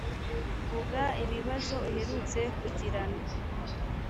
vuga ibibazo uherutse kugirana